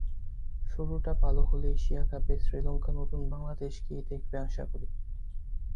শুরুটা ভালো হলে এশিয়া কাপে শ্রীলঙ্কা নতুন বাংলাদেশকেই দেখবে আশা করি।